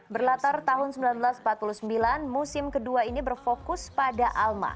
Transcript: berlatar tahun seribu sembilan ratus empat puluh sembilan musim kedua ini berfokus pada alma